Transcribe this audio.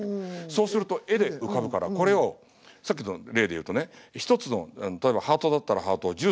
そうすると絵で浮かぶからこれをさっきの例で言うとね１つの例えばハートだったらハートを１３個に割ってくわけですよ。